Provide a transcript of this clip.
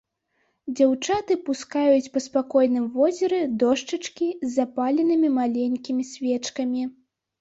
Дзяўчаты пускаюць па спакойным возеры дошчачкі з запаленымі маленькімі свечкамі.